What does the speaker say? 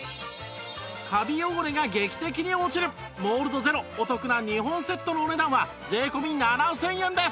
カビ汚れが劇的に落ちるモールドゼロお得な２本セットのお値段は税込７０００円です